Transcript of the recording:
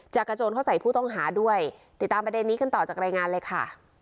จะกระโจนเข้าใส่ผู้ต้องหาด้วยติดตามประเด็นนี้กันต่อจากรายงานเลยค่ะ